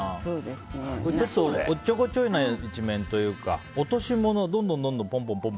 ちょっとおっちょこちょいな一面というか落とし物をポンポン。